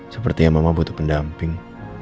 sepertinya mama butuh pendamping